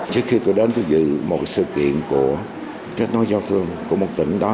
trước khi tôi đến tôi dự một sự kiện của kết nối giao thương của một tỉnh đó